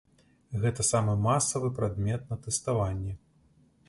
Гэта самы масавы прадмет на тэставанні.